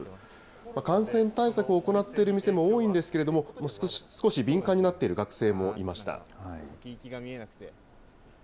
感染対策を行っている店も多いんですけれども、少し敏感になっている学生もいました。